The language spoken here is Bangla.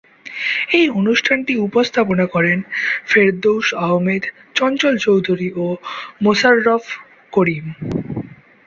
এই অনুষ্ঠানটি উপস্থাপনা করেন ফেরদৌস আহমেদ, চঞ্চল চৌধুরী ও মোশাররফ করিম।